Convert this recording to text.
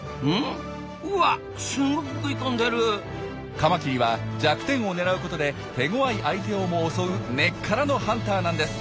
カマキリは弱点を狙うことで手ごわい相手をも襲う根っからのハンターなんです。